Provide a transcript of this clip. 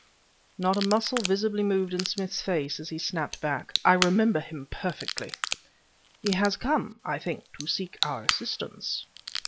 Not a muscle visibly moved in Smith's face, as he snapped back: "I remember him perfectly." "He has come, I think, to seek our assistance."